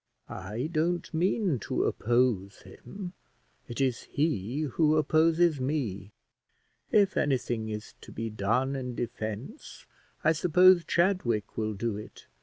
"I don't mean to oppose him; it is he who opposes me; if anything is to be done in defence, I suppose Chadwick will do it.